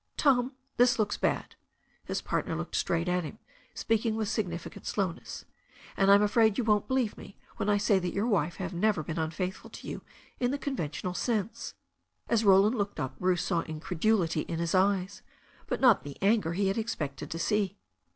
"Tom, this looks bad" — ^his partner looked straight at him, speaking with significant slowness — ^and I'm afraid you won't believe me when I say that your wife and I have never been unfaithful to you in the conventional sense." As Roland looked up Bruce saw incredulity in his eyes, but not the anger he had expected to see.